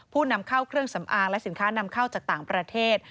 นำเข้าเครื่องสำอางและสินค้านำเข้าจากต่างประเทศ